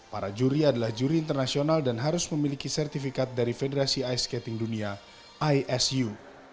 para juri adalah juri internasional dan harus memiliki sertifikat dari federasi ice skating dunia isu